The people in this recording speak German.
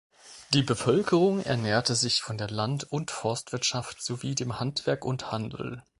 Die Bevölkerung ernährte sich von der Land- und Forstwirtschaft sowie dem Handwerk und Handel.